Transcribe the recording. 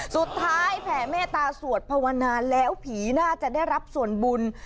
แผ่เมตตาสวดภาวนาแล้วผีน่าจะได้รับส่วนบุญ